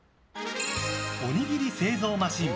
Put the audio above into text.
おにぎり製造マシン